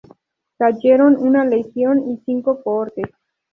Cayeron una legión y cinco cohortes.